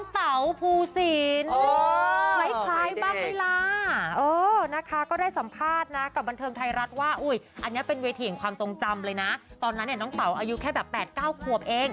คุณค่ะเต๋าฟังหลังก็มีอะไรนี้เดิม